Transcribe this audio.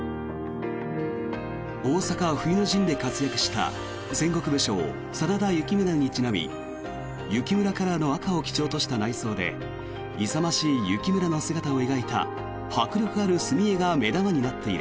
大坂冬の陣で活躍した戦国武将真田幸村にちなみ幸村カラーの赤を基調とした内装で勇ましい幸村の姿を描いた迫力ある墨絵が目玉になっている。